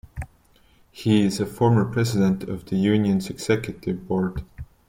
He is a former president of the union's executive board.